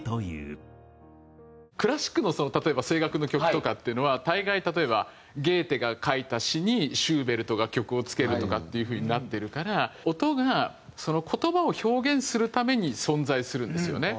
クラシックの例えば声楽の曲とかっていうのは大概例えばゲーテが書いた詩にシューベルトが曲をつけるとかっていう風になってるから音が言葉を表現するために存在するんですよね